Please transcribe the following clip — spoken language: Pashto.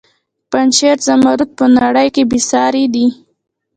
د پنجشیر زمرد په نړۍ کې بې ساري دي